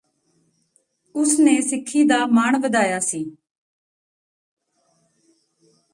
ਉਸ ਨੇ ਸਿੱਖੀ ਦਾ ਮਾਣ ਵਧਾਇਆ ਸੀ